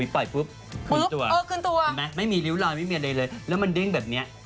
ปล่อยปุ๊บคืนตัวไม่มีริ้วรอยไม่มีอะไรเลยแล้วมันเด้งแบบนี้อยากได้มั้ย